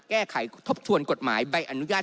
แก้ไขทบทวนกฎหมายใบอนุญาต